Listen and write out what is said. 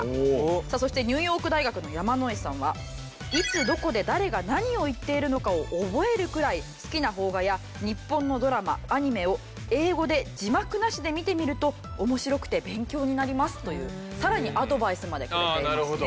さあそしてニューヨーク大学の山野井さんは「いつどこで誰が何を言ってるのかを覚えるくらい好きな邦画や日本のドラマアニメを英語で字幕なしで見てみると面白くて勉強になります」というさらにアドバイスまでくれていますね。